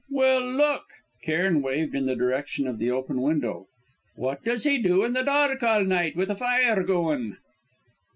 "Well, look." Cairn waved in the direction of the open window. "What does he do in the dark all night, with a fire going?"